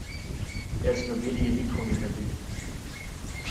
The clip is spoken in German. Er ist nur wenige Mikrometer dick.